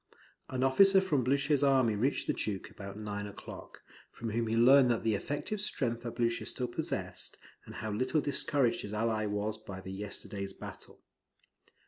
An officer from Blucher's army reached the Duke about nine o'clock, from whom he learned the effective strength that Blucher still possessed, and how little discouraged his ally was by the yesterday's battle.